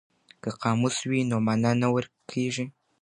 که قاموس وي نو مانا نه ورکیږي.